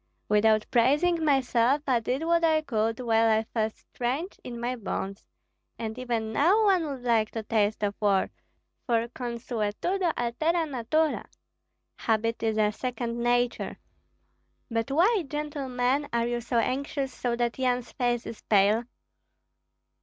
"Without praising myself, I did what I could, while I felt strength in my bones. And even now one would like to taste of war, for consuetudo altera natura (habit is a second nature). But why, gentlemen, are you so anxious, so that Yan's face is pale?"